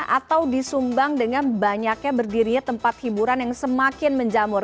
atau disumbang dengan banyaknya berdirinya tempat hiburan yang semakin menjamur